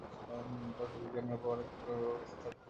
দলটি বিজ্ঞানের উপর অনেক প্রোগ্রামের ব্যবস্থা করে।